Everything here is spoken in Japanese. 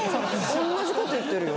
同じこと言ってるよ。